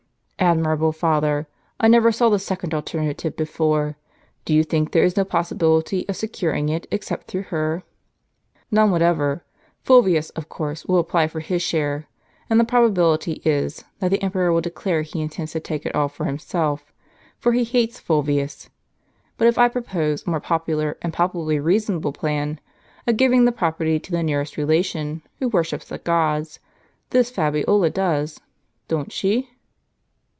"Admirable, father! I never saw the second alternative before. Do you think there is no possibility of securing it except through her? " "None whatever. Fulvius, of course, will apply for his share ; and the probability is, that the emperor will declare he intends to take it all for himself. For he hates Fulvius. But if I pi opose a more popular and palpably reasonable plan, of giving the property to the nearest relation, who worships the gods— this Fabiola does, don't she